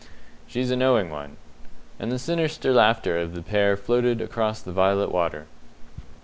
"She's a knowing one." And the sinister laughter of the pair floated across the violet water.